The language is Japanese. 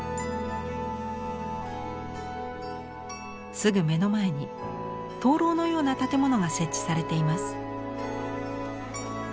すぐ目の前に灯籠のような建物が設置されています。